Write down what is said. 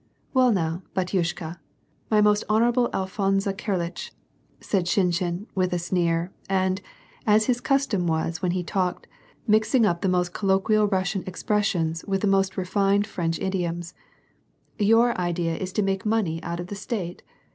" Well now, batyushka, my most honorable Alphouse Kar litch," said Shinshin, with a sneer, and, as his custojn was when he talked, mixing up the most colloquial Russian expressions with the most refined French idioms, " your idea is to make money out of the state